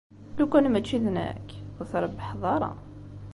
Lukan mačči d nekk, ur trebbḥeḍ ara.